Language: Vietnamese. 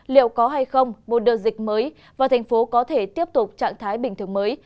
liệu có hay không một đợt dịch mới và thành phố có thể tiếp tục trạng thái bình thường mới